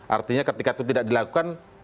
artinya ketika itu tidak dilakukan